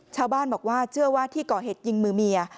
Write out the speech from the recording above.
ชาวบ้านบอกว่าเชื่อว่าที่ก่อเหตุยิงมือเมีย